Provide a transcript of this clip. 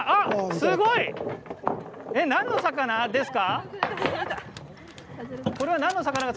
すごい、何の魚ですか？